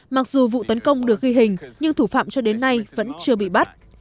mặc dù vụ tấn công được ghi hình nhưng thủ phạm cho đến nay vẫn chưa bị bắt